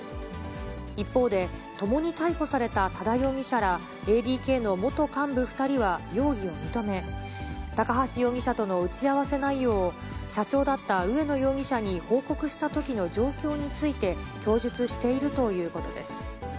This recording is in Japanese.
一方で、ともに逮捕された多田容疑者らＡＤＫの元幹部２人は、容疑を認め、高橋容疑者との打ち合わせ内容を、社長だった植野容疑者に報告したときの状況について、供述しているということです。